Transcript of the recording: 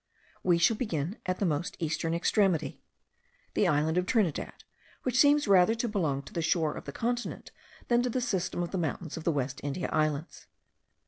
We shall begin with the most eastern extremity, the island of Trinidad; which seems rather to belong to the shore of the continent than to the system of the mountains of the West India Islands.